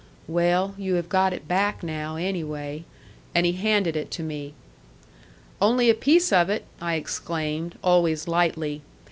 "Well, you have got it back now, anyway." And he handed it to me. "Only a piece of it!" I exclaimed, always lightly.